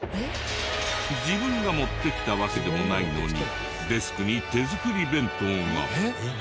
自分が持ってきたわけではないのにデスクに手作り弁当が。